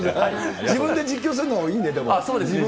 自分で実況するのもいいね、そうですね。